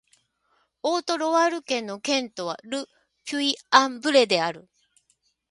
オート＝ロワール県の県都はル・ピュイ＝アン＝ヴレである